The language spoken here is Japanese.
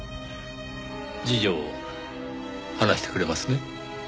事情を話してくれますね？